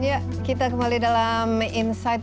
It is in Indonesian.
ya kita kembali dalam insight